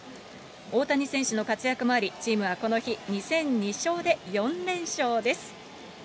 大谷選手の活躍もあり、チームはこの日２戦２勝で４連勝です。